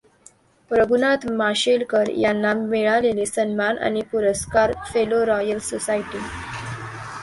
रघुनाथ माशेलकर यांना मिळालेले सन्मान आणि पुरस्कार फेलो, रॉयल सोसायटी.